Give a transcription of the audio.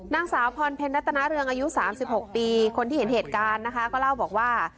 นางสาวพรเพ็ญรัตนาเรืองอายุ๓๖ปีคนที่เห็นเหตุการณ์นะคะก็เล่าบอกว่า